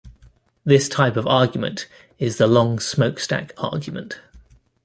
This type of argument is the long smokestack argument.